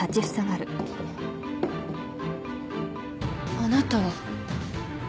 あなたは。